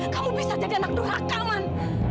kamu bisa jadi anak durhaka man